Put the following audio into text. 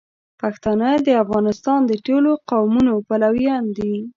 پښتانه د افغانستان د ټولو قومونو پلویان دي.